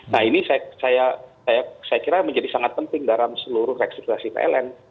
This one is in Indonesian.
nah ini saya kira menjadi sangat penting dalam seluruh restruksi pln